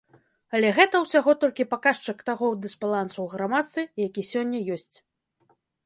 Але гэта ўсяго толькі паказчык таго дысбалансу ў грамадстве, які сёння ёсць.